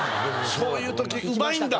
そういう時うまいんだ！